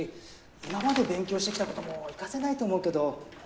今まで勉強してきたことも生かせないと思うけど。